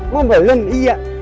mau balen iya